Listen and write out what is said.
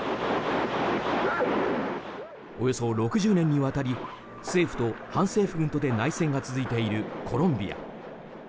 およそ６０年にわたり政府と反政府軍とで内戦が続いているコロンビア。